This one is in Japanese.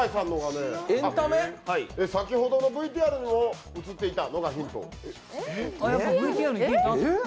先ほどのＶＴＲにも映っていたのがヒント。